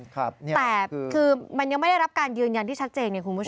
แต่คือมันยังไม่ได้รับการยืนยันที่ชัดเจนไงคุณผู้ชม